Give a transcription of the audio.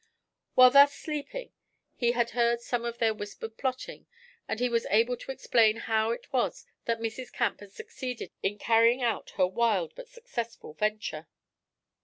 While thus sleeping (?) he had heard some of their whispered plotting, and he was able to explain how it was that Mrs. Camp had succeeded in carrying out her wild but successful adventure.